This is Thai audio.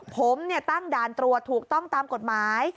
ผมตั้งด่านตรวจถูกต้องตามกฎหมาย